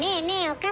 岡村。